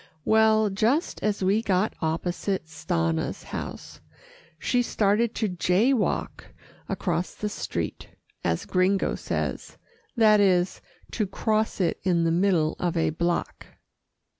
Well, just as we got opposite Stanna's house, she started to "jay walk" across the street, as Gringo says that is, to cross it in the middle of a block.